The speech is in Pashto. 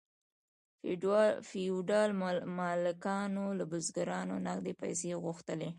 فیوډال مالکانو له بزګرانو نغدې پیسې غوښتلې.